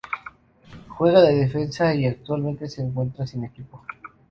Juega de defensa y actualmente se encuentra sin equipo.